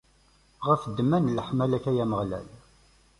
Ɣef ddemma n leḥmala-k, ay Ameɣlal!